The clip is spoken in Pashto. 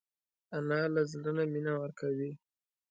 انا له زړه نه مینه ورکوي